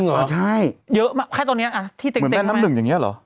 จริงเหรอเยอะมากแค่ตอนนี้ที่เต้งแม่งแม่งอย่างนี้เหรอ